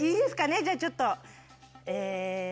じゃあちょっと。